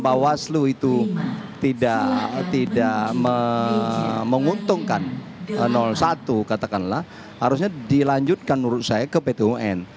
bawaslu itu tidak menguntungkan satu katakanlah harusnya dilanjutkan menurut saya ke pt un